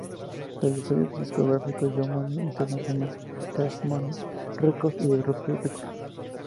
De los sellos discográficos Young Money Entertainment, Cash Money Records y Republic Records.